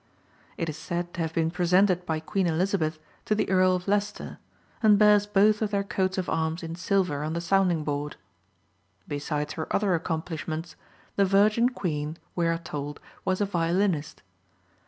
It is said to have been presented by Queen Elizabeth to the Earl of Leicester, and bears both of their coats of arms in silver on the sounding board. Besides her other accomplishments, the Virgin Queen, we are told, was a violinist.